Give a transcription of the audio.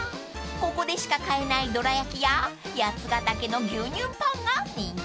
［ここでしか買えないどら焼きや八ヶ岳の牛乳パンが人気です］